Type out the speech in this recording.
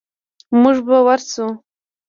موږ به ورسو.